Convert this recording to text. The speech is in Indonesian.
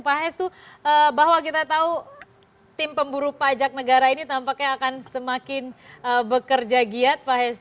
pak hestu bahwa kita tahu tim pemburu pajak negara ini tampaknya akan semakin bekerja giat